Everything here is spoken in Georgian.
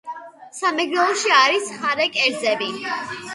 სამეგრელოში, არის ცხარე კერძები.